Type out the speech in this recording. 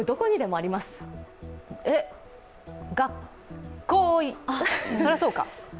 そりゃそうか。